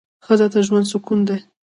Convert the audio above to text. ښځه د ژوند سکون دی